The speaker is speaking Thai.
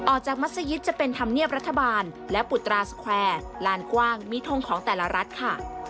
มัศยิตจะเป็นธรรมเนียบรัฐบาลและปุตราสแควร์ลานกว้างมีทงของแต่ละรัฐค่ะ